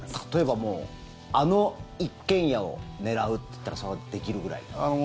例えば、あの一軒家を狙うっていったらできるぐらい？